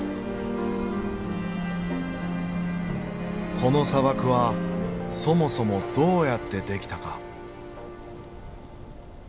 この砂漠はそもそもどうやって出来たか？